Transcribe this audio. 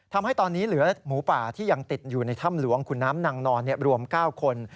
ทำให้ตอนนี้เหลือหมูป่าที่ยังติดอยู่ในถ้ำหลวงขุนน้ำนางนอนรวม๙คน